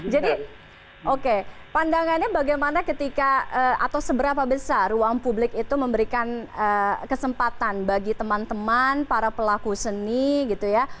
jadi oke pandangannya bagaimana ketika atau seberapa besar ruang publik itu memberikan kesempatan bagi teman teman para pelaku seni gitu ya